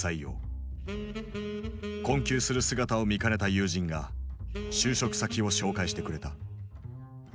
困窮する姿を見かねた友人が就職先を紹介してくれた。